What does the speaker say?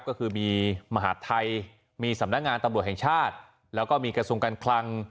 ก็คือมีมหาดไทยมีสำนักงานตำรวจแห่งชาติแล้วก็มีกระทรวงการคลัง